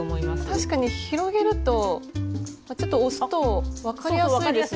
確かに広げるとちょっと押すと分かりやすいですよね。